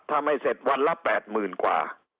ถ้าไม่เสร็จวันละ๘๐๐๐กว่า